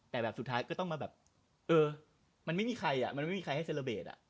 แต่สุดท้ายก็ต้องมาแบบเออมันไม่มีใครให้เซลลาเบท